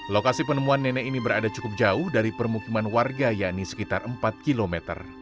lokasi penemuan nenek ini berada cukup jauh dari permukiman warga yakni sekitar empat km